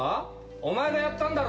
お前がやったんだろ？